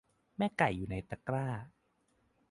แม่ไก่อยู่ในตะกร้า